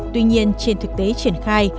tuy nhiên trên thực tế triển khai